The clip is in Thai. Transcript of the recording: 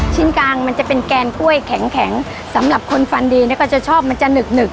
กลางมันจะเป็นแกนกล้วยแข็งสำหรับคนฟันดีเนี่ยก็จะชอบมันจะหนึก